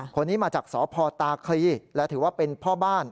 คนนี้มาจากสพตาคลีและถือว่าเป็นพ่อบ้าน